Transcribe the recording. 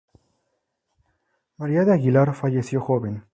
María de Aguilar, falleció joven.